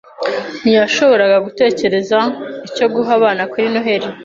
Ntiyashoboraga gutekereza icyo guha abana kuri Noheri.